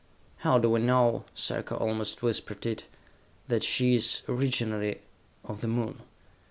"How do we know," Sarka almost whispered it, "that she is, originally, of the Moon?